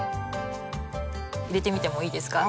入れてみてもいいですか？